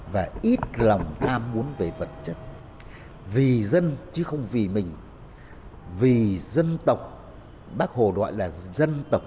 và ít lòng tham muốn về vật chất vì dân chứ không vì mình vì dân tộc bác hồ gọi là dân tộc